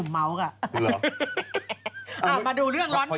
มาดูเรื่องร้อนฉาก